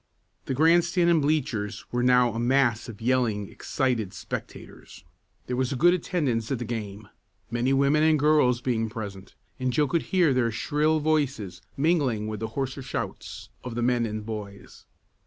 The grandstand and bleachers were now a mass of yelling excited spectators. There was a good attendance at the game, many women and girls being present, and Joe could hear their shrill voices mingling with the hoarser shouts of the men and boys.